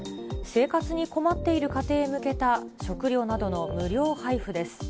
生活に困っている家庭に向けた食料などの無料配布です。